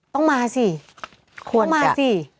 ต้องมาสิควรมาสิ